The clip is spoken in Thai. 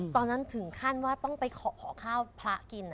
ตอนนั้นถึงขั้นว่าต้องไปขอข้าวพระกิน